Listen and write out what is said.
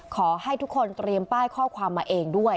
ขอให้ทุกคนเตรียมป้ายข้อความมาเองด้วย